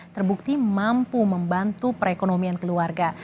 terbukti mampu membantu perekonomian keluarga